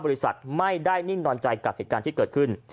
บริษัทไม่ได้นิ่งนอนใจกับเหตุการณ์ที่เกิดขึ้น